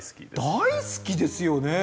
大好きですよね？